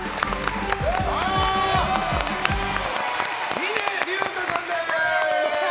峰竜太さんです！